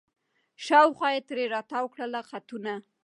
شاوخوا یې ترې را تاوکړله خطونه